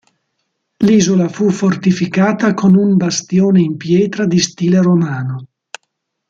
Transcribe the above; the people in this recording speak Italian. L'isola fu fortificata con un bastione in pietra di stile romano.